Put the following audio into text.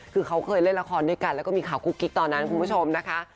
คือเขาเคยเล่นละครด้วยกันแล้วก็มีข่าวกุ๊กกิ๊กตอนนั้นคุณผู้ชมนะคะ